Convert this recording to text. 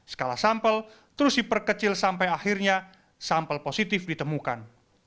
skala sampel terus diperkecil sampai akhirnya sampel positif ditemukan